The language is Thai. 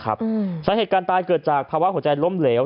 สาเหตุการณ์ตายเกิดจากภาวะหัวใจล้มเหลว